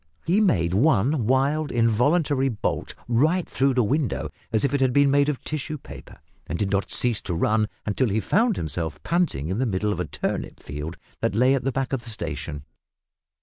He made one wild involuntary bolt right through the window, as if it had been made of tissue paper, and did not cease to run until he found himself panting in the middle of a turnip field that lay at the back of the station.